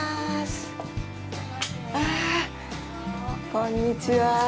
こんにちは。